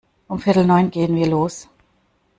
Um viertel neun gehen wir los.